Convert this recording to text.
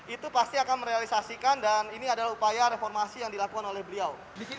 itu pasti akan merealisasikan dan ini adalah upaya reformasi yang dilakukan oleh beliau